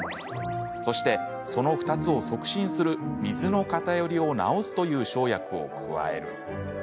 そして、その２つを促進する水の偏りをなおすという生薬を加える。